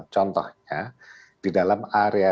contohnya di dalam area